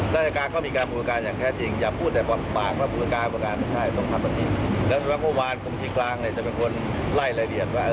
ไทยจะมีคนไล่ละเอียดว่า